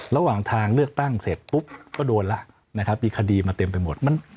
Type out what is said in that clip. ระหว่างทางเลือกตั้งเสร็จปุ๊บก็โดนแล้วนะครับมีคดีมาเต็มไปหมด